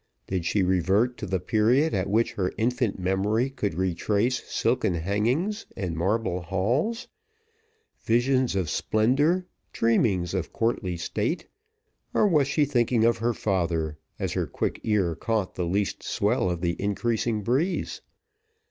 Did she revert to the period at which her infant memory could retrace silken hangings and marble halls, visions of splendour, dreamings of courtly state, or was she thinking of her father, as her quick ear caught the least swell of the increasing breeze?